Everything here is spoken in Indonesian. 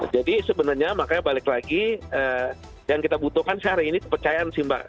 jadi sebenarnya makanya balik lagi yang kita butuhkan sehari ini kepercayaan sih mbak